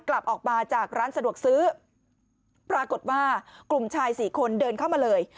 กลับออกมาจากร้านสะดวกซื้อปรากฏว่ากลุ่มชายสี่คนเดินเข้ามาเลย